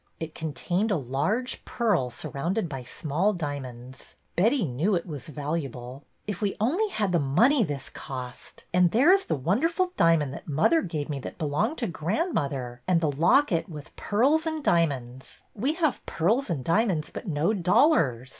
It contained a large pearl surrounded by small dia monds. Betty knew it was valuable. '' If we only had the money this cost ! And there is the wonderful diamond that mother gave me that belonged to grandmother, and the locket with the pearls and diamonds. We have pearls and diamonds, but no dollars.